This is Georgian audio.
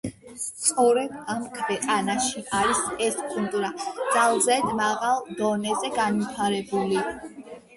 სწორედ ამ ქვეყანაში, არის ეს კულტურა ძალზედ მაღალ დონეზე განვითარებული.